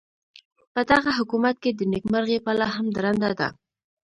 پدغه حکومت کې د نیکمرغۍ پله هم درنده ده.